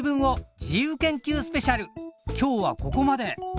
今日はここまで。